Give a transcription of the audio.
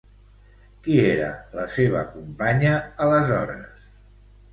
Qui era la seva companya aleshores?